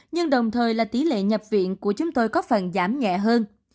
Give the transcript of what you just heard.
nhưng đồng thời là tỷ lệ nhập viện của chúng tôi có phần giảm nhẹ hơn